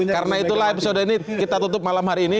karena itulah episode ini kita tutup malam hari ini